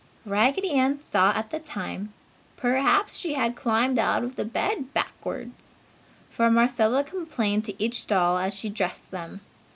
Raggedy Ann thought at the time "Perhaps she had climbed out of bed backwards!" For Marcella complained to each doll as she dressed them.